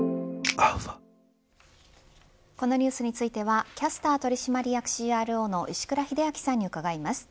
このニュースについてはキャスター取締役ＣＲＯの石倉秀明さんに伺います。